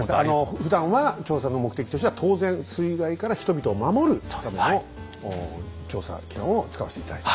ふだんは調査の目的としては当然水害から人々を守るための調査機関を使わせて頂いた。